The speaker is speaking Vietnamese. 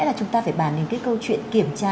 là chúng ta phải bàn đến cái câu chuyện kiểm tra